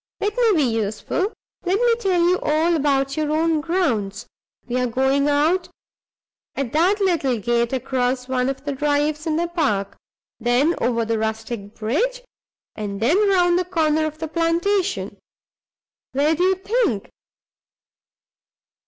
Let me be useful; let me tell you all about your own grounds. We are going out at that little gate, across one of the drives in the park, and then over the rustic bridge, and then round the corner of the plantation where do you think?